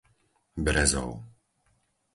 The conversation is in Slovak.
Brezov